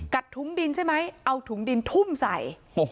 ถุงดินใช่ไหมเอาถุงดินทุ่มใส่